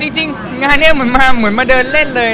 จริงงานนี้เหมือนมาเดินเล่นเลย